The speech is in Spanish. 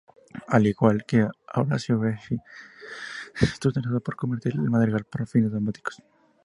Al igual que Orazio Vecchi, estuvo interesado en convertir el madrigal para fines dramáticos.